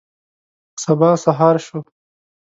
سبا سهار شو.